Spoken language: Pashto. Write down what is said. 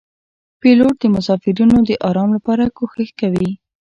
پیلوټ د مسافرینو د آرام لپاره کوښښ کوي.